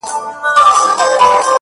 بيا دادی پخلا سوه ،چي ستا سومه،